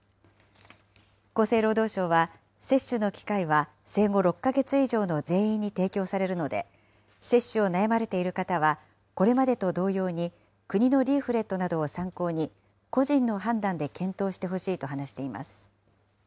厚生労働省は、接種の機会は生後６か月以上の全員に提供されるので、接種を悩まれている方は、これまでと同様に、国のリーフレットなどを参考に、個人の判断で検討してほしいと話しています。